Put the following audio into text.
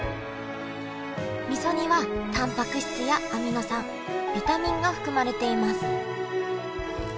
みそにはタンパク質やアミノ酸ビタミンが含まれています。